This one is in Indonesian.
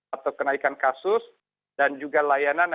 atau kenaikan kasus dan juga layanan